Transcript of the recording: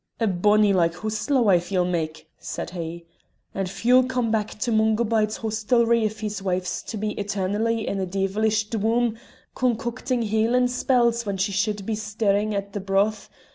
"A bonny like hostler wife ye'll mak'," said he. "And few'll come to Mungo Byde's hostelry if his wife's to be eternally in a deevilish dwaam, concocting Hielan' spells when she should be stirring at the broth.